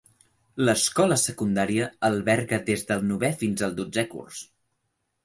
L'escola secundària alberga des del novè fins al dotzè curs.